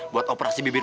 buat operasi bibir